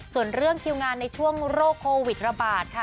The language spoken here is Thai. ส่วนเรื่องคิวงานในช่วงโรคโควิดระบาดค่ะ